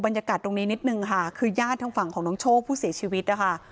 บรรยากาศตรงนี้นิดนึงค่ะคือญาติทางฝั่งของน้องโชคผู้เสียชีวิตนะคะ